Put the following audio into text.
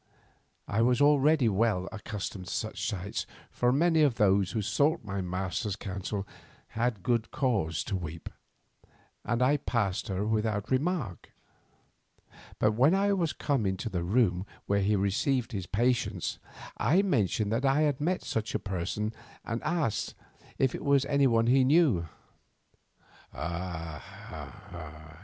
I was already well accustomed to such sights, for many of those who sought my master's counsel had good cause to weep, and I passed her without remark. But when I was come into the room where he received his patients, I mentioned that I had met such a person and asked if it was any one whom I knew. "Ah!